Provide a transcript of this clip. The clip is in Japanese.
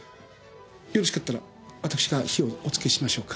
よろしかったら私が火をおつけしましょうか。